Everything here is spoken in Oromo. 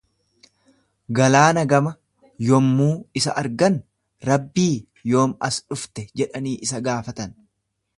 Galaana gama yommuu isa argan, Rabbii, yoom as dhufte jedhanii isa gaafatan.